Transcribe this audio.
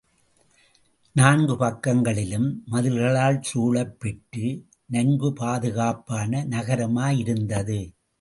நான்கு பக்கங்களிலும் மதில்களால் சூழப் பெற்று, நன்கு பாதுகாப்பான நகரமாக இருந்தது.